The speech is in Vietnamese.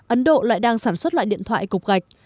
ấn độ lại đang sản xuất loại điện thoại cục gạch